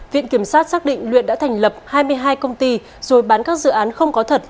viện kiểm sát xác định luyện đã thành lập hai mươi hai công ty rồi bán các dự án không có thật